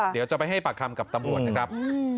เดี๋ยวจะไปให้ปากคำกับตำรวจนะครับ